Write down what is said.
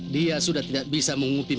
dia sudah tidak bisa mengutip